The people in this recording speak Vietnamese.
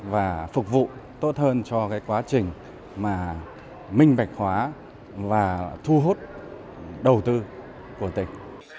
và phục vụ tốt hơn cho cái quá trình minh bạch hóa và thu hút đầu tư của tỉnh